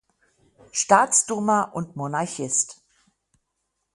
Staatsduma und Monarchist.